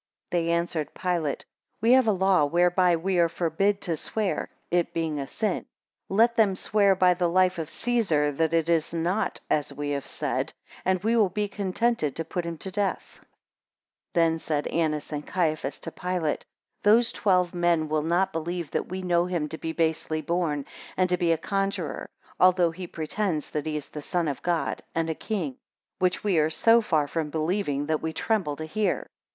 14 They answered Pilate, We have a law whereby we are forbid to swear, it being a sin: Let them swear by the life of Caesar that it is not as we have said, and we will be contented to be put to death. 15 Then said Annas and Caiphas to Pilate, Those twelve men will not believe that we know him to be basely born, and to be a conjurer, although he pretends that he is the Son of God, and a king: which we are so far from believing, that we tremble to hear.